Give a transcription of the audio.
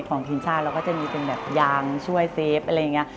ของทีมชาติเราก็จะมีเป็นแบบยางช่วยเซฟอะไรอย่างนี้